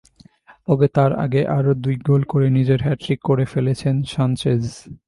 তবে তার আগেই আরও দুই গোল করে নিজের হ্যাটট্রিক করে ফেলেছেন সানচেজ।